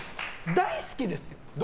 大好きですよ。